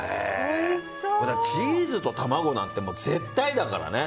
チーズと卵なんて絶対だからね。